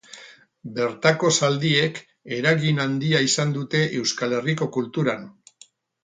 Bertako zaldiek eragin handia izan dute Euskal Herriko kulturan.